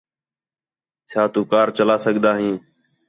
چَھا تُو کار چلا سڳدا ہیں؟